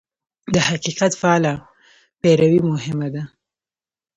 د حقیقت فعاله پیروي مهمه ده.